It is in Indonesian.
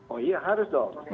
oh iya harus dong